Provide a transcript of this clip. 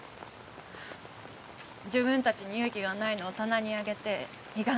自分たちに勇気がないのを棚に上げてひがんでただけ。